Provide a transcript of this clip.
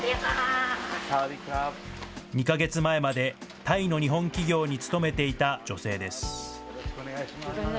２か月前までタイの日本企業に勤めていた女性です。